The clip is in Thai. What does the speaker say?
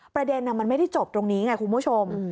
ประเด็นมันไม่ได้จบตรงนี้ไงคุณผู้ชม